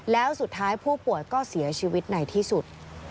แล้วสุดท้ายผู้ป่วยก็เสียชีวิตในที่สุด